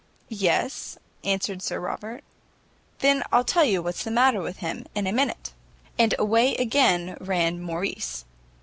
"Yes," answered Sir Robert. "Then I'll tell you what's the matter with him in a minute;" and away again ran Morrice.